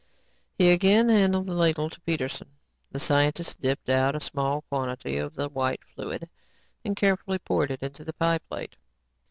He again handed the ladle to Peterson. The scientist dipped out a small quantity of the white fluid and carefully poured it into the pie plate.